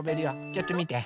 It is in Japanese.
ちょっとみて。